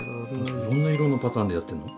いろんな色のパターンでやってんの？